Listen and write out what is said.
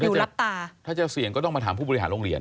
ถ้าจะรับตาถ้าจะเสี่ยงก็ต้องมาถามผู้บริหารโรงเรียน